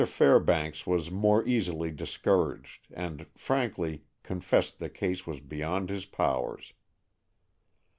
Fairbanks was more easily discouraged, and frankly confessed the case was beyond his powers.